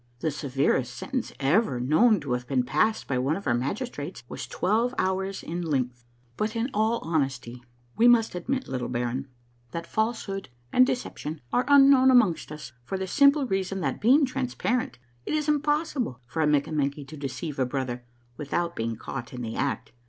The severest sentence ever known to have been passed by one of our magistrates was twelve hours in length. But in all honesty, we must admit, little baron, that falsehood and deception are unknown amongst us for the simple reason that, being transparent, it is impossible for a Mikkamenky to deceive a brother without being caught in the act.